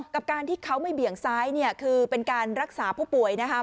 กับการที่เขาไม่เบี่ยงซ้ายเนี่ยคือเป็นการรักษาผู้ป่วยนะคะ